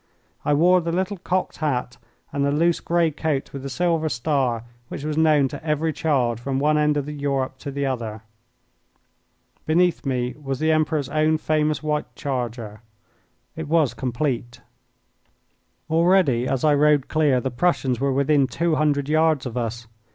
I wore the little cocked hat and the loose grey coat with the silver star which was known to every child from one end of Europe to the other. Beneath me was the Emperor's own famous white charger. It was complete. Already as I rode clear the Prussians were within two hundred yards of us.